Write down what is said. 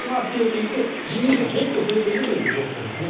人民元はもっと増えているという状況ですね。